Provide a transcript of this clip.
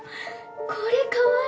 これかわいい。